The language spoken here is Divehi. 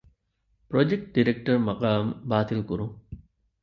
ޕްރޮޖެކްޓް ޑިރެކްޓަރ މަޤާމް ބާތިލްކުރުން